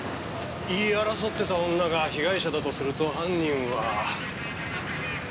言い争ってた女が被害者だとすると犯人は。